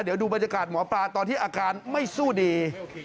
เดี๋ยวดูบรรยากาศหมอปลาตอนที่อาการไม่สู้ดี